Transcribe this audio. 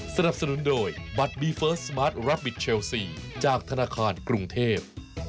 สนับสนุนโดยบัตรบีเฟิร์สสมาร์ทรับบิทเชลซีจากธนาคารกรุงเทพ